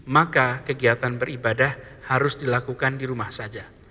maka kegiatan beribadah harus dilakukan di rumah saja